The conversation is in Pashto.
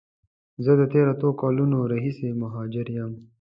زه د تیرو اته کالونو راهیسی مهاجر یم.